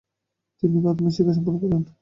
তিনি প্রাথমিক শিক্ষা সম্পন্ন করেন।